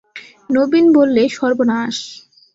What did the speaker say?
নবীন বললে, সর্বনাশ!